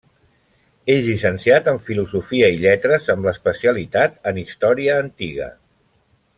És llicenciat en Filosofia i lletres amb l'especialitat en Història Antiga.